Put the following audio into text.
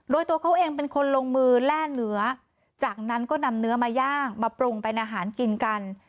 โดยตัวเขาเองเป็นคนลงมือแล่เนื้อจากนั้นก็นำเนื้อมาย่างมาปรุงเป็นอาหารกินกัน